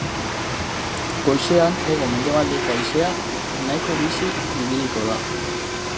Goizean hego-mendebaldeko haizea nahiko bizi ibiliko da.